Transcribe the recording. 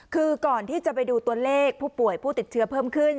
คือก่อนที่จะไปดูตัวเลขผู้ป่วยผู้ติดเชื้อเพิ่มขึ้น